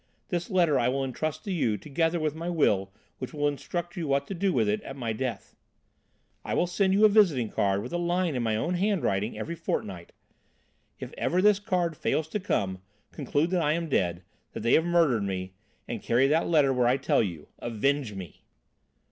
This letter I shall intrust to you together with my Will which will instruct you what to do with it at my death. I will send you a visiting card with a line in my own handwriting every fortnight. If ever this card fails to come, conclude that I am dead, that they have murdered me, and carry that letter where I tell you Avenge me!'"